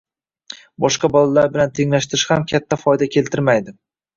Boshqa bolalar bilan tenglashtirish ham katta foyda keltirmaydi